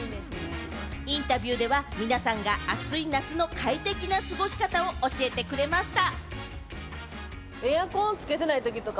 インタビューでは皆さんが暑い夏の快適な過ごし方を教えてくれました。